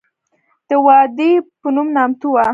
د وادي پنوم نامتو وه.